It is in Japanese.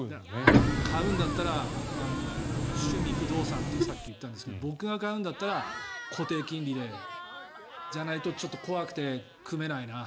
買うんだったら僕、趣味は不動産ってさっき言ったんですが僕が買うんだったら固定金利じゃないとちょっと怖くて組めないな。